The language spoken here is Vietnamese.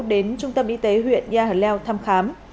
đến trung tâm y tế huyện yà hờ leo thăm khám